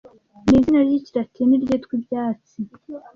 ni izina ry'ikilatini ryitwa ibyatsi